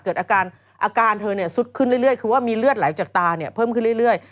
อาการอาการเธอสุดขึ้นเรื่อยคือว่ามีเลือดไหลจากตาเนี่ยเพิ่มขึ้นเรื่อย